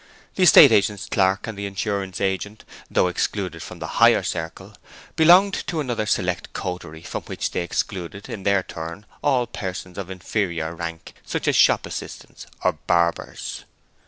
The estate agent's clerk and the insurance agent, though excluded from the higher circle, belonged to another select coterie from which they excluded in their turn all persons of inferior rank, such as shop assistants or barbers.